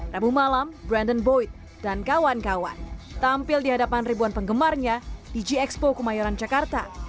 rabu malam brandon boyd dan kawan kawan tampil di hadapan ribuan penggemarnya di gxpo kemayoran jakarta